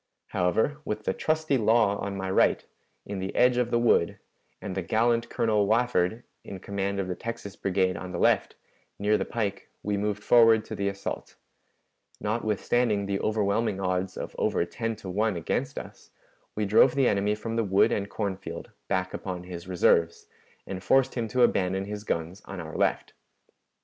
However, with the trusty Law on my right, in the edge of the wood, and the gallant Colonel Wafford in command of the Texas Brigade on the left, near the pike, we moved forward to the assault. Notwithstanding the overwhelming odds of over ten to one against us, we drove the enemy from the wood and corn field back upon his reserves, and forced him to abandon his guns on our left.